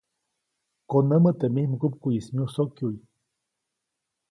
Konämä teʼ mij mgupkuʼyis myusokyuʼy.